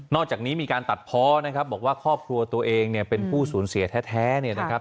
อกจากนี้มีการตัดเพาะนะครับบอกว่าครอบครัวตัวเองเนี่ยเป็นผู้สูญเสียแท้เนี่ยนะครับ